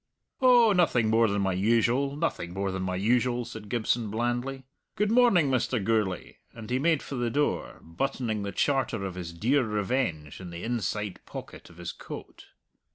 "Oh, nothing more than my usual, nothing more than my usual," said Gibson blandly. "Good morning, Mr. Gourlay," and he made for the door, buttoning the charter of his dear revenge in the inside pocket of his coat.